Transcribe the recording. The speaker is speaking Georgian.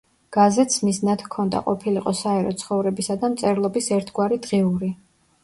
გაზეთს მიზნად ჰქონდა ყოფილიყო საერო ცხოვრებისა და მწერლობის ერთგვარი დღიური.